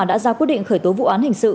đã ra quyết định khởi tố vụ án hình sự